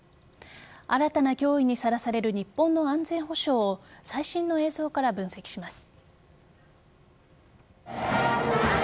新たな脅威にさらされる日本の安全保障を最新の映像から分析します。